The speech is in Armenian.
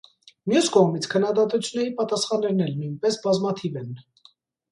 Մյուս կողմից քննադատությունների պատասխաններն էլ նույնպես բազմաթիվ են։